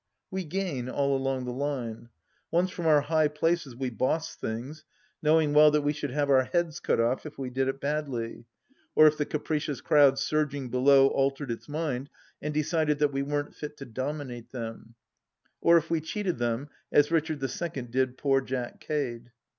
We gain all along the line. Once from our high places we bossed things, knowing well that we should have our heads cut off if we did it badly, or if the capricious crowd surging below altered its mind and decided that we weren't fit to dominate them, or if we cheated them as Richard II did poor Jack Cade.